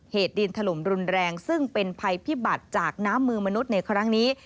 เหตุดินถล่มรุนแรงซึ่งเป็นภัยพิบัติจากน้ำมือมนุษย์ในครั้งนี้